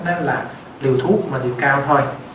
đó là liều thuốc mà liều cao thôi